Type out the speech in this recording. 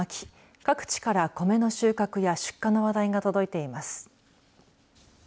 各地から米の収穫や収穫の話題が届いています。